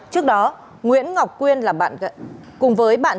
trước đó nguyễn ngọc quyên là bạn gái